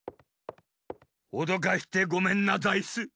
おどかしてごめんなザイス。